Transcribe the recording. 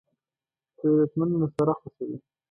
غیرتمند مشوره خوښوي